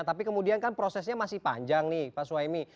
tapi kemudian kan prosesnya masih panjang nih pak suhaimi